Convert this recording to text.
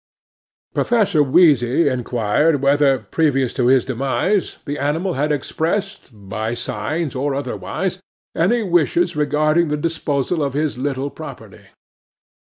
'PROFESSOR WHEEZY inquired whether, previous to his demise, the animal had expressed, by signs or otherwise, any wishes regarding the disposal of his little property.